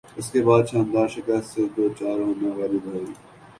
اس کے بعد "شاندار"شکست سے دوچار ہونے والے بھائی